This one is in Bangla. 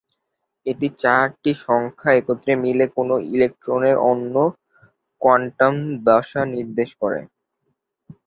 এই চারটি সংখ্যা একত্রে মিলে কোন ইলেকট্রনের অনন্য কোয়ান্টাম দশা নির্দেশ করে।